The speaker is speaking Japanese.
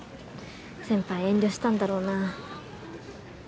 先輩遠慮したんだろうなぁ。